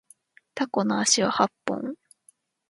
タコの足は八本